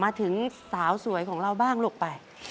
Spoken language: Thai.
มาถึงสาวสวยของเราบ้างลูกไป